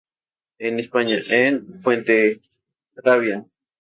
En España, en Fuenterrabía.